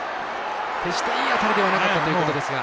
決していい当たりではなかったようですが。